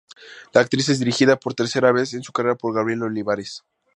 La actriz es dirigida, por tercera vez en su carrera, por Gabriel Olivares.